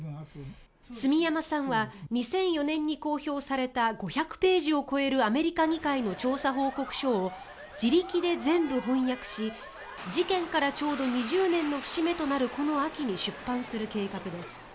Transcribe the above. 住山さんは２００４年に公表された５００ページを超えるアメリカ議会の調査報告書を自力で全部翻訳し事件から、ちょうど２０年の節目となるこの秋に出版する計画です。